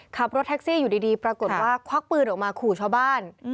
ขับรถแท็กซี่อยู่ดีปรากฏว่าควักปืนออกมาขู่ชาวบ้าน